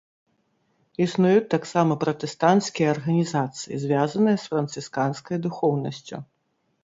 Існуюць таксама пратэстанцкія арганізацыі, звязаныя з францысканскай духоўнасцю.